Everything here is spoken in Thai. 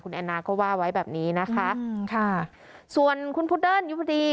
แอนนาก็ว่าไว้แบบนี้นะคะค่ะส่วนคุณพุดเดิ้นยุพดี